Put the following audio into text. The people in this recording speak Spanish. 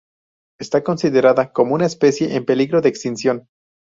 Está considerada como una especie en peligro de extinción.